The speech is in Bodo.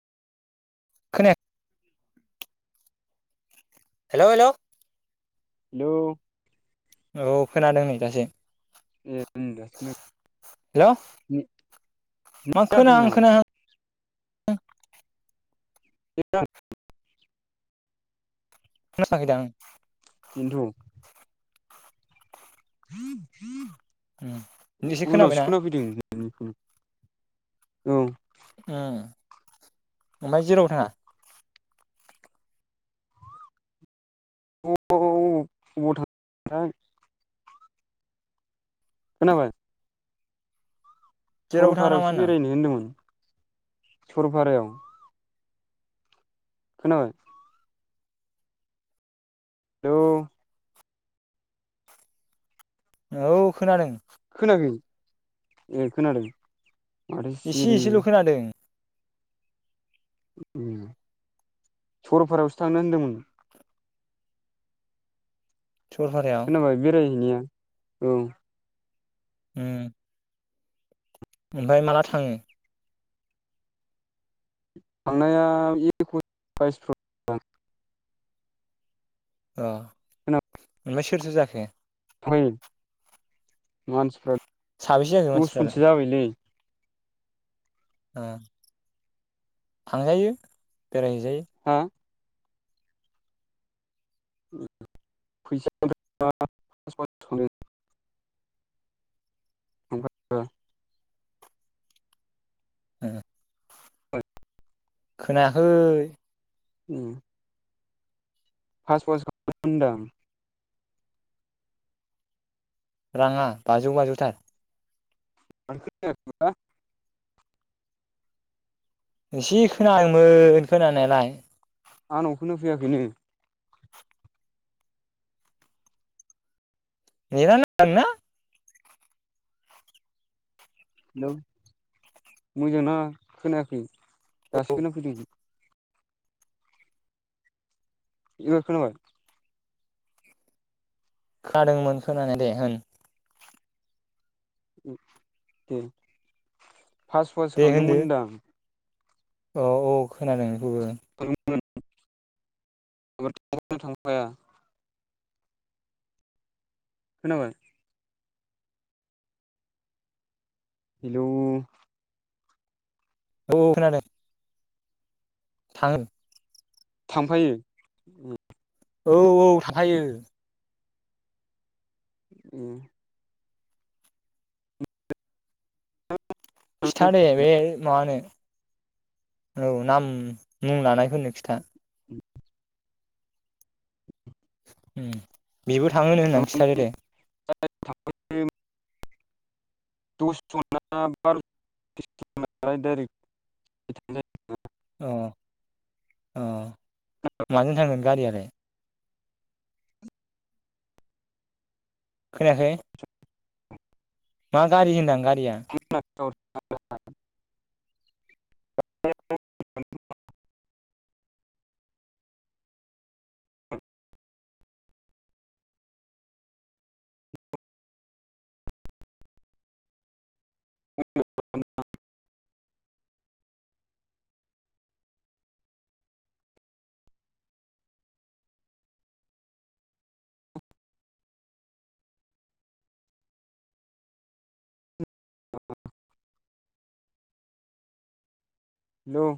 खोना हेल' हेल'। हेल'। औ खोनादों नै दासो। ए उम दासो खोनादों हेल' [unintelligible] नेट मा खोना जायाखैमोन आं नामा। खोनाहां [unintelligible] [unintelligible] बेनथ'। [inaudible] ओम एसे उनावसो खोनाबायना? खोनाफैदों नोंनिखौनो औ। ओम ओमफ्राय जेराव थाङा? [unintelligible] खोनाबाय। जेरावबो थाङा नामा सरलपारायावसो होनदां बेरायनो होनदोंमोन। सुरफारायाव। खोनाबाय। हेलौ। औ खोनादों। खोनायाखै ए खोनादों। माथो इसे सिरि एसेल' खोनादों‌। ओम सरलपारायावसो थांनो होनदोंमोन। सरलपारायाव खोनाबाय बेरायहैनाया। औ। ओम। ओमफाय माला थाङो? थांनाया एकस बाइस [unintelligible] अ ओमफाय सोर सोर जाखो? फै मानसिफ्रा साबेसे जाखो दस मानसिफ्रालाय जनसो जाबायलै। ओ। थांजायो। बेरायजायो। हा फैसा [unintelligible] [unintelligible] ओ। फैसा खोनायाखै। ओम। फास [unintelligible] राङा बाजौ बाजौथार। [unintelligible] एसे खोनायोमोन खोनानायालाय। [unintelligible] नेटानो नाङा नोंना हेलौ मोजां नाङा खोनायाखै औ दासो नांफैदोंमोन इबार खोनाबाय खोनादोंमोन खोनानायालाय दे होन ओम दे फास फास दे खांदोंमोन होनदो होनदां औ औ खोनादों [unintelligible] [unintelligible] नो थांफाया खोनाबाय हेलौ औ खोनादों थां थांफायो औ औ थांखायो उम खिथा दे बे मा होनो औ नाम मुं लानायफोरनो खिथा उम बेबो थांङोनो होननानै खिथा दे [unintelligible] अ अ माजों थांगोन गारियालाय खोनायाखै मा गारि होदां गारि [unintelligible] [unintelligible] [unintelligible] [unintelligible] [unintelligible] हेलौ